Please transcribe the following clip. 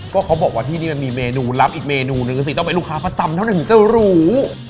ก็เขาบอกว่าที่นี่มันมีเมนูลับอีกเมนูนึงสิต้องเป็นลูกค้าประจำเท่านั้นถึงจะรู้